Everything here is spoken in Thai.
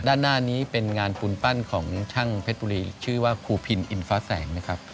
ด้านหน้านี้เป็นงานปูนปั้นของช่างเพชรบุรีชื่อว่าครูพินอินฟ้าแสงนะครับ